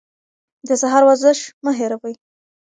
د سهار ورزش مه هېروئ.